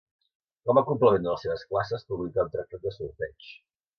Com a complement de les seves classes, publicà un tractat de solfeig.